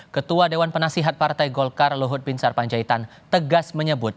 ketua dewan penasihat partai golkar luhut bin sarpanjaitan tegas menyebut